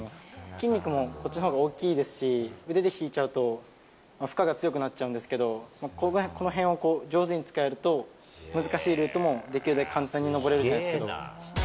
筋肉もこっちのほうが大きいですし、腕で引いちゃうと、負荷が強くなっちゃうんですけど、この辺を上手に使えると、難しいルートもできるだけ簡単に登れるじゃないですけど。